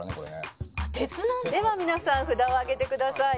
「では皆さん札を上げてください」